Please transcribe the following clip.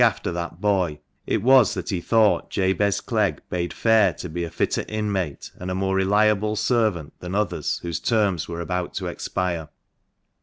after that boy," it was that he thought Jabez Clegg bade fair to be a fitter inmate and a more reliable servant than others whose terms were about to expire.